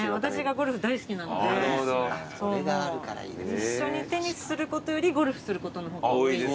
一緒にテニスすることよりゴルフすることの方が多いです。